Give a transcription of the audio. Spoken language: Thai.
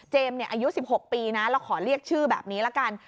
อายุ๑๖ปีนะเราขอเรียกชื่อแบบนี้ละกัน